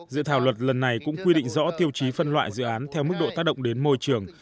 dự thảo luật lần này cũng quy định rõ tiêu chí phân loại dự án theo mức độ tác động đến môi trường